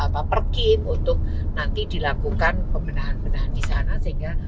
dan dinas apa perkip untuk nanti dilakukan pembentahan pembentahan di sana sehingga